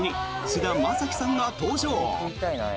菅田将暉さんが登場。